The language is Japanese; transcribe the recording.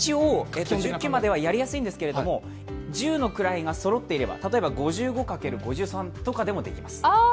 １９まではやりやすいんですけれども、１０の位がそろっていれば、例えば５５×５３とかでもできます。